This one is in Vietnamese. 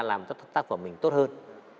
làm tác phẩm mình tốt hơn